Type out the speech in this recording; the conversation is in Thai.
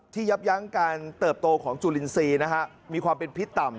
ยับยั้งการเติบโตของจุลินทรีย์มีความเป็นพิษต่ำ